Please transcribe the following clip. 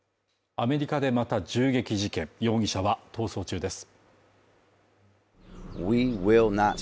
アメリカでまた銃撃事件、容疑者は逃走中です。